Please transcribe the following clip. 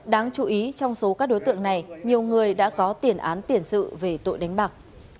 đáng chú ý trong số các đối tượng này nhiều người đã có tiền án tiền sự về tội đánh bạc